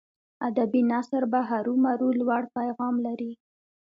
ادبي نثر به هرو مرو لوړ پیغام لري.